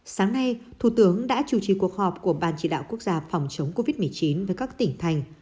sáng nay thủ tướng đã chủ trì cuộc họp của ban chỉ đạo quốc gia phòng chống covid một mươi chín với các tỉnh thành